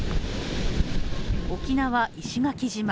沖縄・石垣島。